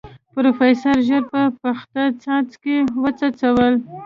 پروفيسر ژر په پخته څاڅکي وڅڅول.